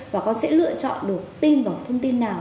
và con sẽ lựa chọn được tin vào một thông tin nào